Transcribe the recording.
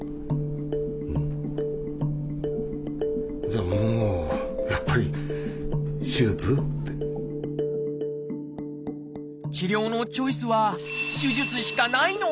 じゃあもう治療のチョイスは手術しかないの？